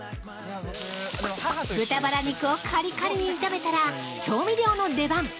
豚バラ肉をカリカリに炒めたら調味料の出番。